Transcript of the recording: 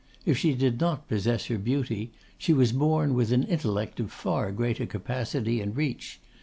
If she did not possess her beauty, she was born with an intellect of far greater capacity and reach.